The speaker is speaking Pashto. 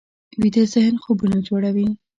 ویده ذهن خوبونه جوړوي